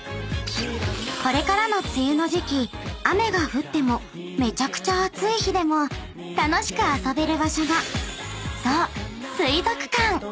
［これからの梅雨の時季雨が降ってもめちゃくちゃ暑い日でも楽しく遊べる場所がそう］